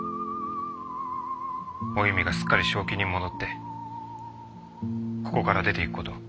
おゆみがすっかり正気に戻ってここから出ていく事を。